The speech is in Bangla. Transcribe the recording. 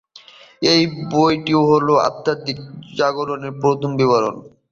এই বইটি হল আধ্যাত্মিক জাগরণের প্রথম বিবরণ।